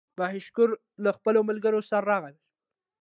بهاشکر له خپلو ملګرو سره راغی.